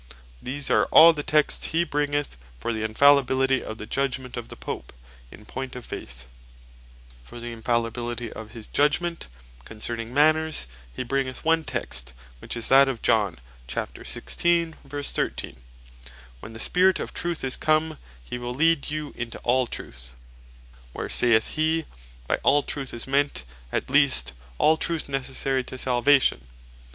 These are all the Texts hee bringeth for the Infallibility of the Judgement of the Pope, in point of Faith. Texts For The Same In Point Of Manners For the Infallibility of his Judgment concerning Manners, hee bringeth one Text, which is that of John 16.13. "When the Spirit of truth is come, hee will lead you into all truth" where (saith he) by All Truth, is meant, at least, All Truth Necessary To Salvation.